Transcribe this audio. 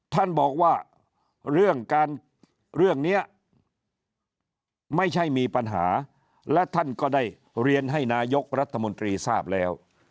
ท่านบอกว่าเรื่องการเรื่องนี้ไม่ใช่มีปัญหาและท่านก็ได้เรียนให้นายกรัฐมนตรีทราบแล้ว